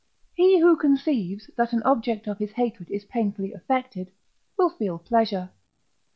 He who conceives, that an object of his hatred is painfully affected, will feel pleasure.